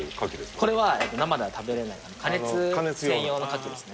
これは生では食べれない加熱専用のカキですね